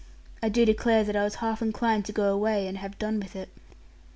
I do declare that I was half inclined to go away, and have done with it.